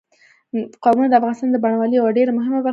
قومونه د افغانستان د بڼوالۍ یوه ډېره مهمه برخه ګڼل کېږي.